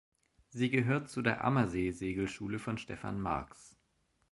Sie gehört zu der Ammersee-Segelschule von Stefan Marx.